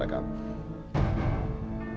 lalu aku mulai di uso